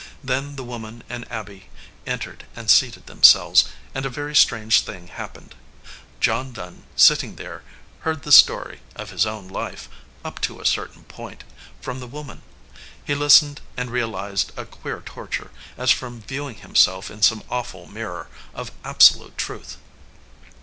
Then the woman and Abby entered and seated themselves, and a very strange thing hap pened. John Dunn, sitting there, heard the story of his own life, up to a certain point, from the woman. He listened, and realized a queer torture, as from viewing himself in some awful mirror of absolute truth.